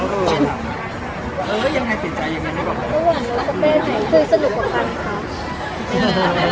ไม่เป็นความความถามแต่พบป้ายแล้วก็จำเลย